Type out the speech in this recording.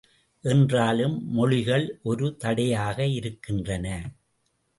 என்றாலும் மொழிகள் ஒரு தடையாக இருக்கின்றன.